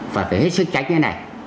và phải hết sức trách như thế này